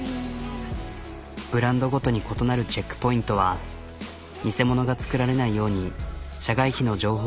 ブランドごとに異なるチェックポイントは偽物が作られないように社外秘の情報だという。